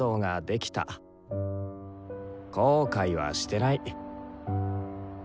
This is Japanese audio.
後悔はしてない。